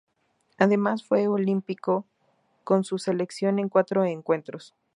Además fue olímpico con su selección en cuatro encuentros.